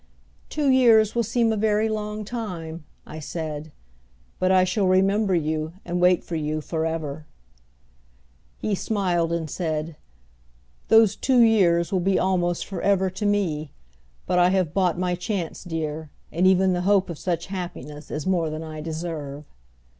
"Two years will seem a very long time," I said, "but I shall remember you and wait for you for ever." He smiled and said, "Those two years will be almost for ever to me, but I have bought my chance dear, and even the hope of such happiness is more than I deserve."